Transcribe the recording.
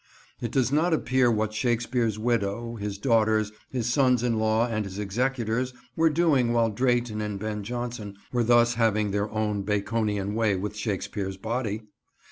It does not appear what Shakespeare's widow, his daughters, his sons in law and his executors were doing while Drayton and Ben Jonson were thus having their own Baconian way with Shakespeare's body.